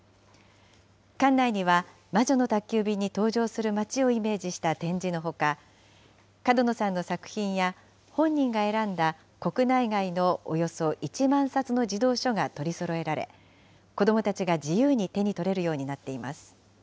館内には、魔女の宅急便に登場する街をイメージした展示のほか、角野さんの作品や本人が選んだ国内外のおよそ１万冊の児童書が取りそろえられ、子どもたちが自由に手に取れるようになっています。